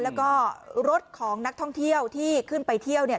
แล้วก็รถของนักท่องเที่ยวที่ขึ้นไปเที่ยวเนี่ย